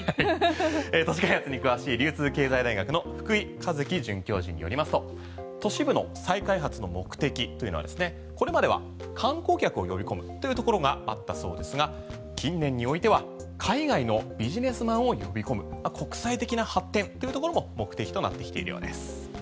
都市開発に詳しい流通経済大学の福井一喜准教授によりますと都市部の再開発の目的というのはこれまでは観光客を呼び込むというところがあったそうですが近年においては海外のビジネスマンを呼び込む国際的な発展というところも目的となってきているようです。